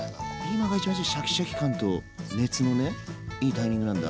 今が一番じゃあシャキシャキ感と熱のねいいタイミングなんだ。